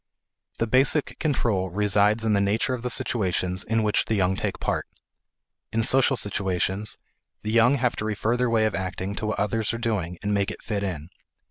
The basic control resides in the nature of the situations in which the young take part. In social situations the young have to refer their way of acting to what others are doing and make it fit in.